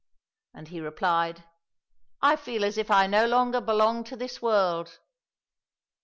" And he replied, " I feel as if I no longer belonged to this world !